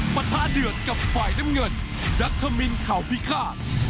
ปรัฐเดือดกับฝ่ายน้ำเงินดักขมินข่าวพิคาร